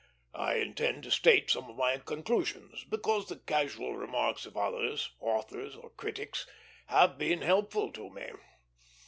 I intend to state some of my conclusions, because the casual remarks of others, authors or critics, have been helpful to me.